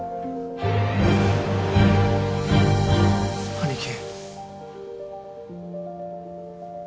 兄貴。